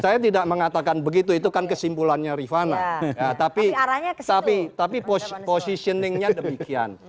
saya tidak mengatakan begitu itu kan kesimpulannya rifana tapi positioningnya demikian